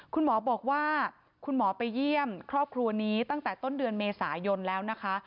คุณหมอบอกว่าคุณหมอไปเยี่ยมครอบครัวนี้ตั้งแต่ต้นเดือนเมษายนแล้วนะคะ